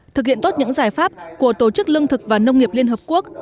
thực hiện tốt những giải pháp của tổ chức lương thực và nông nghiệp liên hợp quốc